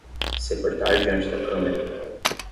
Se portar diante da câmera